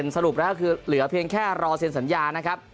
สรุปแล้วคือเหลือเพียงแค่รอเซ็นสัญญานะครับ